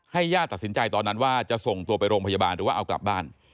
ญาติตัดสินใจตอนนั้นว่าจะส่งตัวไปโรงพยาบาลหรือว่าเอากลับบ้าน